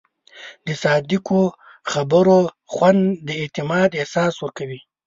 د صادقو خبرو خوند د اعتماد احساس ورکوي.